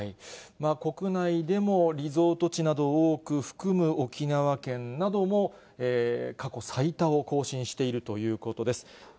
国内でもリゾート地などを多く含む沖縄県なども過去最多を更新しているということです。